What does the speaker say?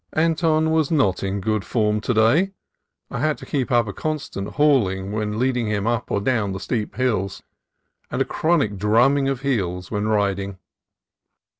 Anton was not in good form to day. I had to keep THE KING'S PEAK RANGE 287 up a constant hauling when leading him up or down the steep hills, and a chronic drumming of heels when riding.